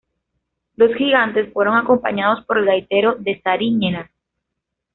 Los gigantes fueron acompañados por el gaitero de Sariñena.